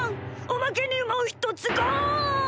おまけにもひとつがん！